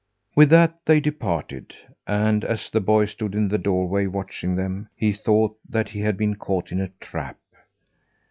With that they departed. And as the boy stood in the doorway watching them, he thought that he had been caught in a trap.